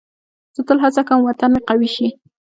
زه تل هڅه کوم وطن مې قوي شي.